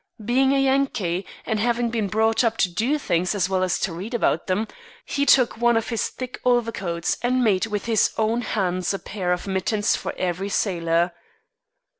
Being a Yankee, and having been brought up to do things as well as read about them, he took one of his thick overcoats and made with his own hands a pair of mittens for every sailor.